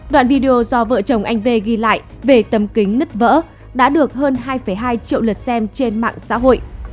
đoạn video do vợ chồng anh v ghi lại về tầm kính nứt vỡ đã được hơn hai hai triệu lượt xem trên mạng xã hội